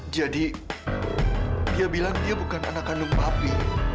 jadi dia bilang dia bukan anak kandung papi